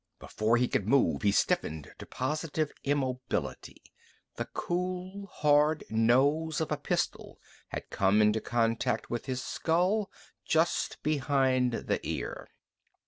Before he could move he stiffened to positive immobility: the cool, hard nose of a pistol had come into contact with his skull, just behind the ear.